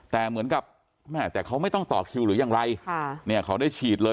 แต่เขาไม่ต้องต่อคิวหรือยังไรเขาได้ฉีดเลย